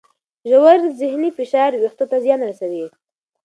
ژور ذهني فشار وېښتو ته زیان رسوي.